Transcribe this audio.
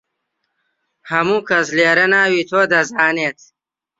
هەموو کەس لێرە ناوی تۆ دەزانێت.